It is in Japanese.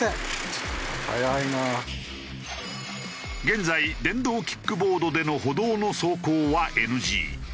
現在電動キックボードでの歩道の走行はＮＧ。